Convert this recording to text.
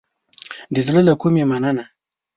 د زړه له کومې مننه